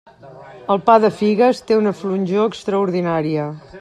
El pa de figues té una flonjor extraordinària.